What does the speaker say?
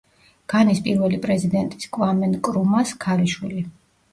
განის პირველი პრეზიდენტის კვამე ნკრუმას ქალიშვილი.